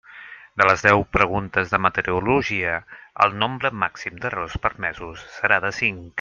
De les deu preguntes de meteorologia, el nombre màxim d'errors permesos serà de cinc.